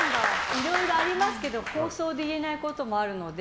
いろいろありますけど放送で言えないこともあるので。